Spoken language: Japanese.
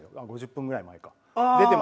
５０分ぐらい前か。